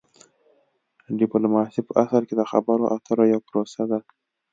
ډیپلوماسي په اصل کې د خبرو اترو یوه پروسه ده